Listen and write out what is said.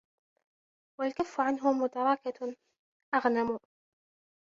وَالْكَفُّ عَنْهُ مُتَارَكَةً أَغْنَمُ